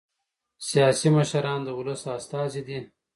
سیاسي مشران د ولس استازي دي